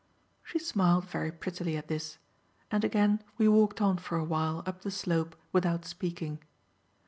She smiled very prettily at this, and again we walked on for a while up the slope without speaking.